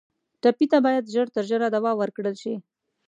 ټپي ته باید ژر تر ژره دوا ورکړل شي.